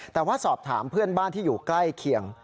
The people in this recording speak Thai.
แต่ว่าสอบถามเพื่อนบ้านที่อยู่ใกล้เคียง